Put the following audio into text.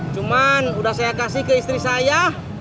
cuman udah saya kasih ke istri saya